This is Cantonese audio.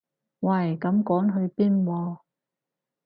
喂咁趕去邊喎